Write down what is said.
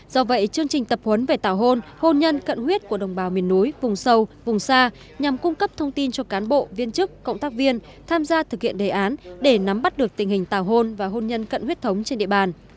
do vậy chương trình tập huấn về tàu hôn hôn nhân cận huyết của đồng bào miền núi vùng sâu vùng xa nhằm cung cấp thông tin cho cán bộ viên chức cộng tác viên tham gia thực hiện đề án để nắm bắt được tình hình tào hôn và hôn nhân cận huyết thống trên địa bàn